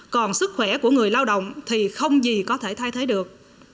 còn sức khỏe của người lao động thì không gì có thể thay thế được